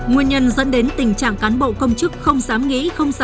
nguyên nhân dẫn đến tình trạng cán bộ công chức không dám nghĩ dám làm dám chịu trách nhiệm